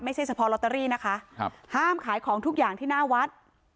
เฉพาะลอตเตอรี่นะคะครับห้ามขายของทุกอย่างที่หน้าวัด